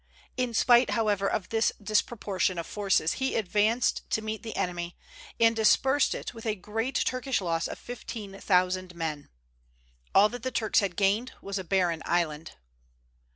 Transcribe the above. In spite however of this disproportion of forces he advanced to meet the enemy, and dispersed it with a great Turkish loss of fifteen thousand men. All that the Turks had gained was a barren island.